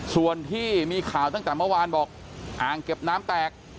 ส่วนที่มีข่าวตั้งแต่เมื่อวานบอกอ่างเก็บน้ำแตก